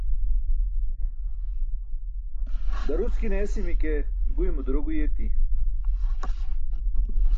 daruckine esimi ke guymo duro guyi eti